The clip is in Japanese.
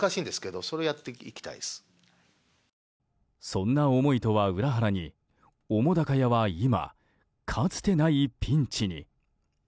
そんな思いとは裏腹に澤瀉屋は今かつてないピンチに。